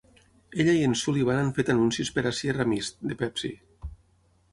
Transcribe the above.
Ella i en Sullivan han fet anuncis per a "Sierra Mist" de Pepsi.